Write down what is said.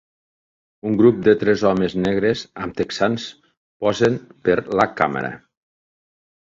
Un grup de tres homes negres amb texans posen per la càmera.